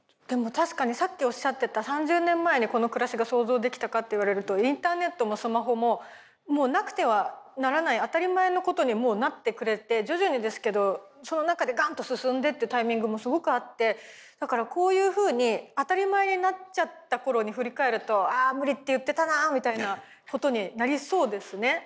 でも確かにさっきおっしゃってた３０年前にこの暮らしが想像できたかって言われるとインターネットもスマホももうなくてはならない当たり前のことにもうなってくれて徐々にですけどその中でガンッと進んでってタイミングもすごくあってだからこういうふうに当たり前になっちゃった頃に振り返るとああ無理って言ってたなみたいなことになりそうですね。